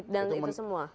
dan itu semua